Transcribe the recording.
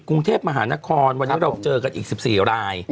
กรุงเทพมหานครวันนี้เราเจอกันอีก๑๔ราย